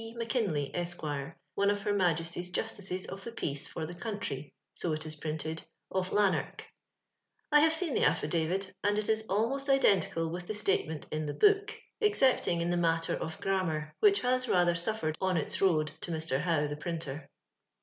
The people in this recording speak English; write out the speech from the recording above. Mackinlay, Esq., one of Iler Ma^^s Justices of the Peace for the country (so it ia printed) of Lanark*" I have seen the affidavit, and it is almost identical with the statement in the book," excepthig in the matter of grammar, which has rather suffered on its road to Mr. Howe, the printer.